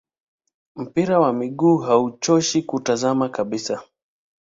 Mpira wa miguu hauchoshi kutazama kabisa